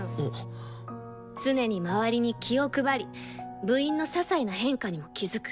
常に周りに気を配り部員のささいな変化にも気付く。